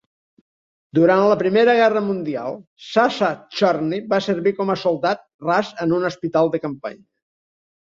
Durant la Primera Guerra Mundial, Sasha Chorny va servir com a soldat ras en un hospital de campanya.